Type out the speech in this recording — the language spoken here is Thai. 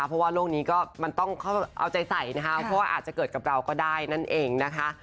เพราะว่าโลกนี้ก็มันต้องเอาใจใส่นะคะเพราะว่าอาจจะเกิดกับเราก็ได้นั่นเองนะคะ